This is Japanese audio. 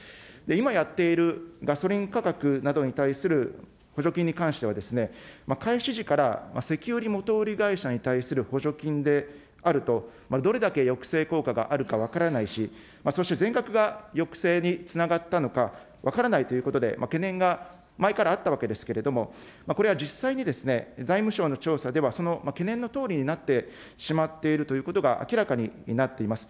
今やっているガソリン価格などに対する補助金に関してはですね、開始時から石油元売り会社に対する補助金であると、どれだけ抑制効果があるか分からないし、そして全額が抑制につながったのか分からないということで、懸念が前からあったわけですけれども、これは実際にですね、財務省の調査ではその懸念のとおりになってしまっているということが明らかになっています。